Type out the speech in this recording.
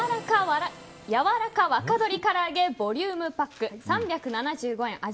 やわらか若鶏から揚げボリュームパック３７５円